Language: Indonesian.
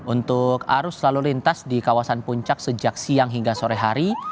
untuk arus lalu lintas di kawasan puncak sejak siang hingga sore hari